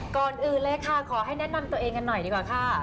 ก่อนอื่นเลยค่ะขอให้แนะนำตัวเองกันหน่อยดีกว่าค่ะ